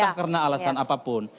entah karena alasan apapun